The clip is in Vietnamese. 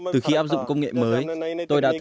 từ khi áp dụng công nghệ mới